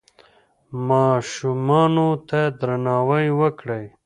ماشومانو ته درناوی وکړئ.